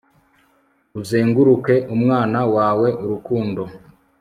Uzenguruke umwana wawe urukundo